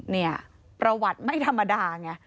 เนี่ยประวัติไม่ธรรมดาไง